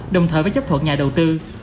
đồng thời với chấp thuận nhà đầu tư